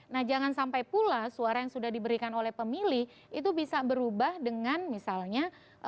nah jangan sampai pula suara yang sudah diberikan oleh pemilih itu bisa berubah dengan misalnya